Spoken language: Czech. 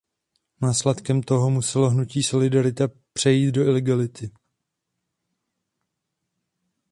Následkem toho muselo hnutí Solidarita přejít do ilegality.